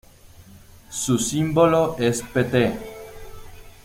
Su símbolo es pt.